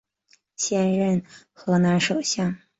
现任荷兰首相。